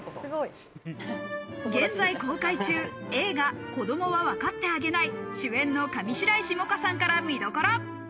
現在公開中、映画『子供はわかってあげない』主演の上白石萌歌さんから見どころ。